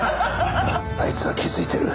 あいつは気づいてる。